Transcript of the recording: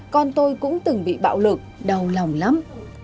con tôi cũng từng bị bạo lực đau lòng lắm